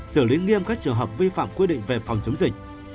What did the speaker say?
xử lý nghiêm các trường hợp vi phạm quy định về phòng chống dịch